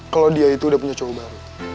kalau dia itu udah punya cowok baru